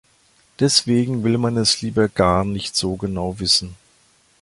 Deswegen will man es lieber gar nicht so genau wissen.